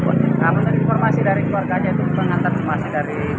menurut informasi dari keluarganya itu pengantar informasi dari